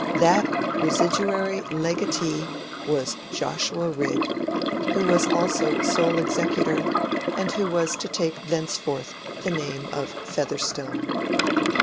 —that residuary legatee was Joshua Rigg, who was also sole executor, and who was to take thenceforth the name of Featherstone.